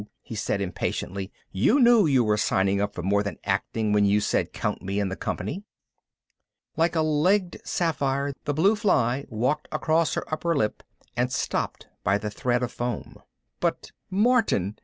he said impatiently. "You knew you were signing up for more than acting when you said, 'Count me in the company.'" Like a legged sapphire the blue fly walked across her upper lip and stopped by the thread of foam. "But Martin